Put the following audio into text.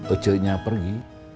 oce nya pergi